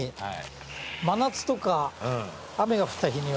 真夏とか雨が降った日には。